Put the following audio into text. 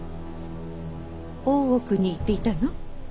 大奥に行っていたの？